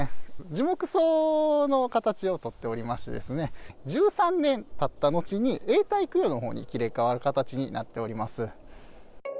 樹木葬の形を取っておりまして、１３年たった後に、永代供養のほうに切り替わる形になっております。